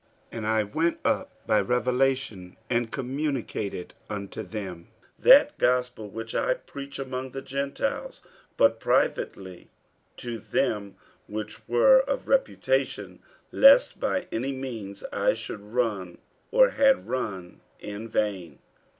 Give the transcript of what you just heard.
48:002:002 And I went up by revelation, and communicated unto them that gospel which I preach among the Gentiles, but privately to them which were of reputation, lest by any means I should run, or had run, in vain.